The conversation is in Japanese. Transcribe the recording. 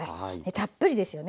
たっぷりですよね。